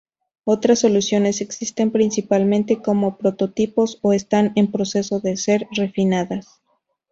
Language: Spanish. Otras soluciones existen principalmente como prototipos o están en proceso de ser refinadas.